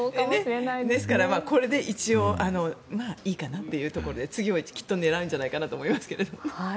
ですからこれで一応まあいいかなというところで次もきっと狙うんじゃないかなと思いますが。